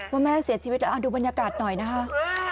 ว่าแม่เสียชีวิตดูบรรยากาศหน่อยนะคะ